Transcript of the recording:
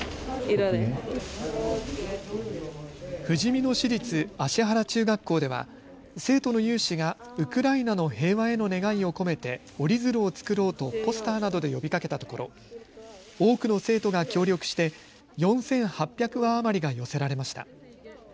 ふじみ野市立葦原中学校では生徒の有志がウクライナの平和への願いを込めて折り鶴を作ろうとポスターなどで呼びかけたところ多くの生徒が協力して４８００羽余りが寄せられました。